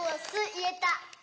いえた。